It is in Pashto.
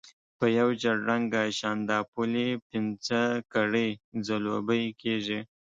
په یو ژېړ رنګه شانداپولي پنځه کړۍ ځلوبۍ کېږي.